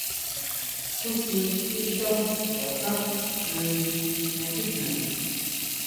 Jusin sixá chutaxá nangui jña tijnaa.